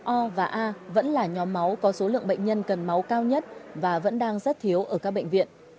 o và a vẫn là nhóm máu có số lượng bệnh nhân cần máu cao nhất và vẫn đang rất thiếu ở các bệnh viện